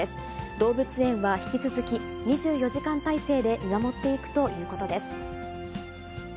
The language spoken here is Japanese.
動物園は引き続き、２４時間態勢で見守っていくということです。